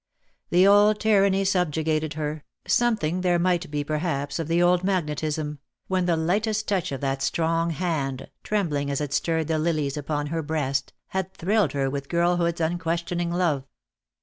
The old tyranny subjugated her, something there might be perhaps of the old magnetism, when the lightest touch of that strong hand, trembling as it stirred the lilies upon her breast, had thrilled her with girl hood's unquestioning love.